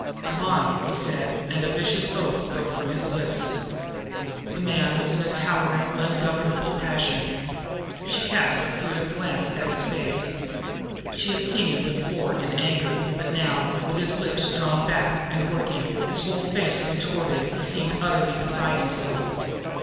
"Come on!" he said and a vicious oath broke from his lips. The man was in a towering, ungovernable passion. She cast a furtive glance at his face. She had seen him before in anger; but now, with his lips drawn back and working, his whole face contorted, he seemed utterly beside himself.